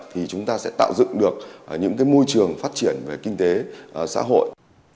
thì chúng ta sẽ tạo dựng được những môi trường phát triển về kinh tế xã hội